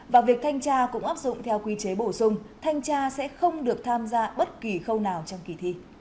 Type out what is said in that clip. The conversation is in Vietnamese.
và việc thanh tra cũng áp dụng theo quy chế bổ sung thanh tra sẽ không được tham gia bất kỳ khâu nào trong kỳ thi